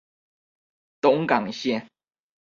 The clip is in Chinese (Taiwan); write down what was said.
東港線